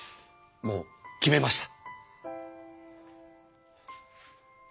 もう決めました。